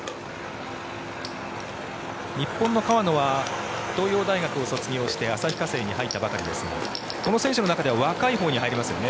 日本の川野は東洋大学を卒業して旭化成に入ったばかりですがこの選手の中では若いほうに入りますよね。